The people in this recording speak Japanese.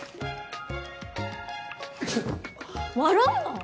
笑うな！